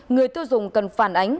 người tiêu dùng cần phản ánh